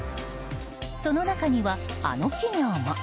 その中にはあの企業も。